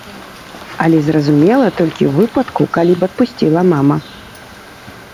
Але, зразумела, толькі ў выпадку, калі б адпусціла мама.